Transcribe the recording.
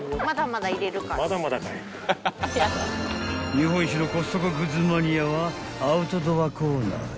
［日本一のコストコグッズマニアはアウトドアコーナーへ］